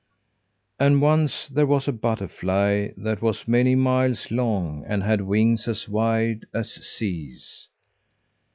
And once there was a butterfly that was many miles long, and had wings as wide as seas.